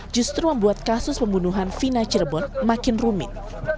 justru membuat kasus pembunuhan vina cirebon makin rumit